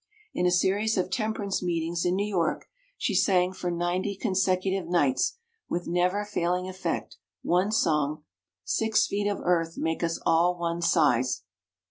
In a series of temperance meetings in New York she sang for ninety consecutive nights, with never failing effect, one song, "Six Feet of Earth Make Us All One Size."